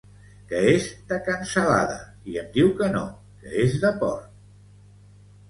Que és de cansalada i em diu que no, que és de porc